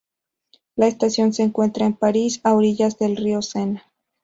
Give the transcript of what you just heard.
La estación se encuentra en París, a orillas del río Sena.